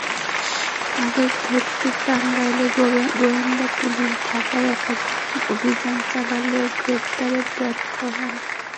তাঁদের ধরতে টাঙ্গাইল গোয়েন্দা পুলিশ ঢাকায় একাধিক অভিযান চালালেও গ্রেপ্তারে ব্যর্থ হয়।